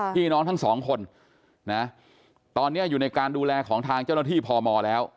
พี่น้องทั้งสองคนนะตอนนี้อยู่ในการดูแลของทางเจ้าหน้าที่พมแล้ว